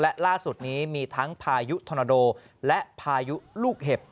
และล่าสุดนี้มีทั้งพายุธนโดและพายุลูกเห็บ